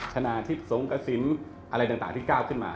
ธนาธิตทรงกระซินอะไรต่างที่ก้าวขึ้นมา